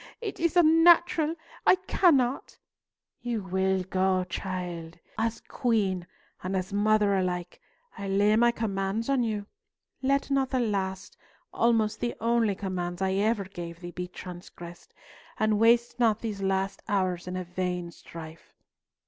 It is unnatural! I cannot." "You will go, child. As Queen and as mother alike, I lay my commands on you. Let not the last, almost the only commands I ever gave thee be transgressed, and waste not these last hours in a vain strife."